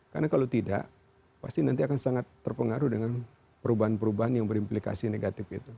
karena kalau tidak pasti nanti akan sangat terpengaruh dengan perubahan perubahan yang berimplikasi negatif itu